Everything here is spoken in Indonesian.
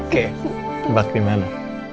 oke nebak dimana